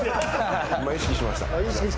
意識しました。